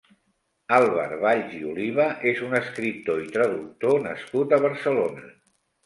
Àlvar Valls i Oliva és un escriptor i traductor nascut a Barcelona.